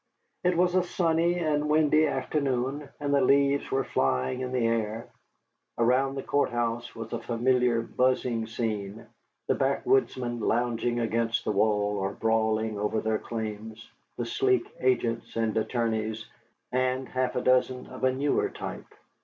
It was a sunny and windy afternoon, and the leaves were flying in the air. Around the court house was a familiar, buzzing scene, the backwoodsmen, lounging against the wall or brawling over their claims, the sleek agents and attorneys, and half a dozen of a newer type.